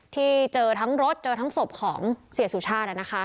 ที่เจอทั้งรถเจอทั้งศพของเสียสุชาติ